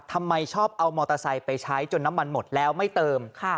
ทำไมชอบเอามอเตอร์ไซค์ไปใช้จนน้ำมันหมดแล้วไม่เติม